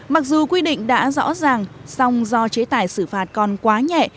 mặc dù quy định đã rõ ràng song do chế tài xử phạt còn quá nhẹ